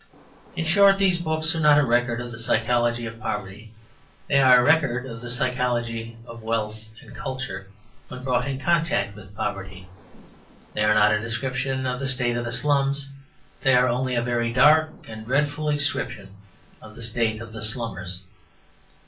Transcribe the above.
In short, these books are not a record of the psychology of poverty. They are a record of the psychology of wealth and culture when brought in contact with poverty. They are not a description of the state of the slums. They are only a very dark and dreadful description of the state of the slummers.